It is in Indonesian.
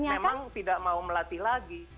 kecuali dia memang tidak mau melatih lagi